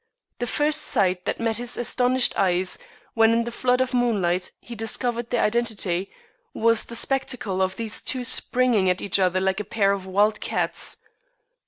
The first sight that met his astonished eyes, when in the flood of moonlight he discovered their identity, was the spectacle of these two springing at each other like a pair of wild cats.